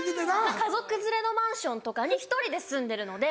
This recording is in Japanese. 家族連れのマンションとかに１人で住んでるので。